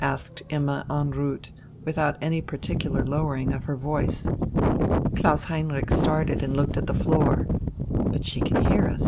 asked Imma en route, without any particular lowering of her voice. Klaus Heinrich started and looked at the floor. "But she can hear us!"